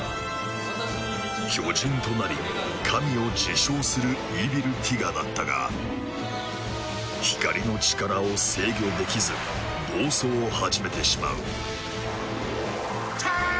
巨人となり神を自称するイーヴィルティガだったが光の力を制御できず暴走を始めてしまうテヤーッ！